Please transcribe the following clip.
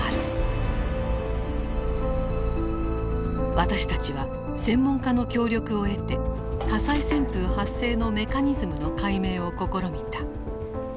私たちは専門家の協力を得て火災旋風発生のメカニズムの解明を試みた。